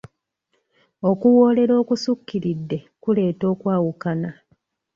Okuwoolera okusukiridde kuleeta okwawukana.